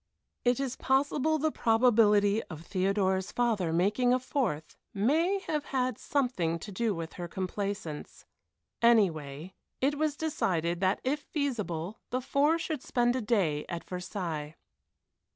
It is possible the probability of Theodora's father making a fourth may have had something thing to do with her complaisance. Anyway, it was decided that if feasible the four should spend a day at Versailles.